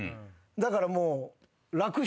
だからもう。